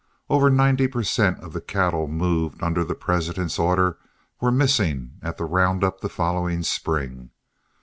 Over ninety per cent of the cattle moved under the President's order were missing at the round up the following spring.